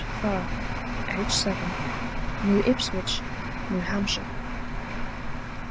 Farrar, aged seven, New Ipswich, New Hampshire.)